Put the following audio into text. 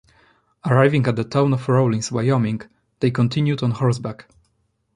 Arriving at the town of Rawlins, Wyoming they continued on horseback.